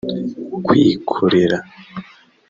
kwikorera